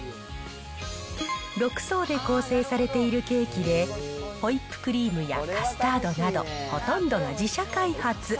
６層で構成されているケーキで、ホイップクリームやカスタードなどほとんどが自社開発。